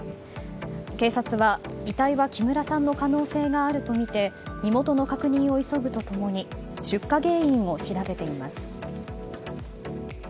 警察は遺体は木村さんの可能性があるとみて身元の確認を急ぐと共に出火原因を調べちます。